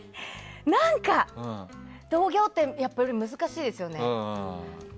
何か、同業ってやっぱり難しいですよね。